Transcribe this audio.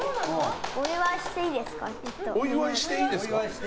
お祝いしていいですか？